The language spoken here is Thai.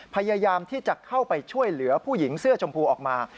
พยายามที่จะเข้าไปช่วยเหลือผู้หญิงเสื้อชมพูออกมา